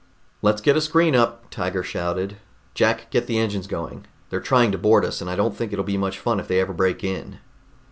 "Let's get a screen up," Tiger shouted. "Jack, get the engines going. They're trying to board us, and I don't think it'll be much fun if they ever break in."